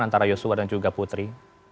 antara yosua dan juga putri